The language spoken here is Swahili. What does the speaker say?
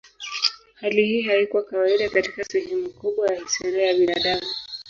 Hali hii haikuwa kawaida katika sehemu kubwa ya historia ya binadamu.